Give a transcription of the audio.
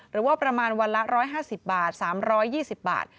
หรือว่าประมาณวันละ๑๕๐บาท๓๒๐บาท